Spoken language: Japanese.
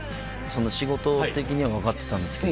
仕事的には分かってたんですけど。